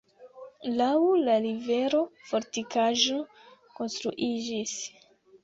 Laŭ la rivero fortikaĵo konstruiĝis.